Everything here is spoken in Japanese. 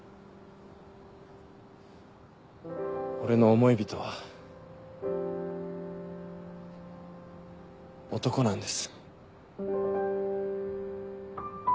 俺の思い人は男なんです。